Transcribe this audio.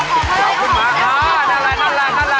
เก่าขึ้นมานั่นแหละนั่นแหละนั่นแหละ